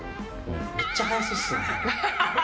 めっちゃ速そうっすね。